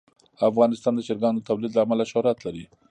افغانستان د چرګانو د تولید له امله شهرت لري.